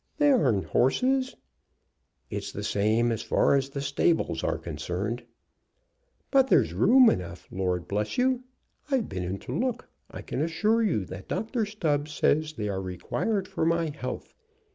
"They aren't horses." "It's the same, as far as the stables are concerned." "But there's room enough, Lord bless you! I've been in to look. I can assure you that Dr. Stubbs says they are required for my health.